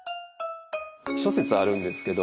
諸説あるんですけど。